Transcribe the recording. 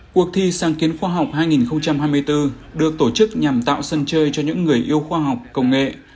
cuộc thi sáng kiến khoa học hai nghìn hai mươi bốn được tổ chức nhằm tạo sân chơi cho những người yêu khoa học công nghệ